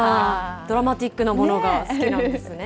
ドラマティックなものが好きなんですね。